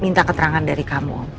minta keterangan dari kamu